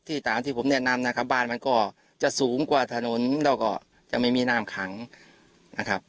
ตามที่ผมแนะนำนะครับบ้านมันก็จะสูงกว่าถนนแล้วก็จะไม่มีน้ำขังนะครับ